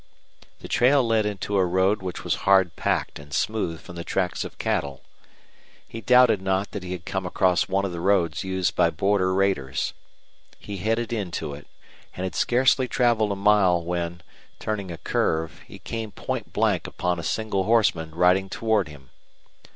The trail led into a road which was hard packed and smooth from the tracks of cattle. He doubted not that he had come across one of the roads used by border raiders. He headed into it, and had scarcely traveled a mile when, turning a curve, he came point blank upon a single horseman riding toward him.